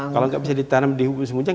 kalau nggak bisa ditanam di hubung semuanya